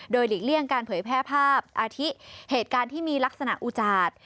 โดยหลีกเลี่ยงการเผยแพร่ภาพอาทิเหตุการณ์ที่มีลักษณะอุจาต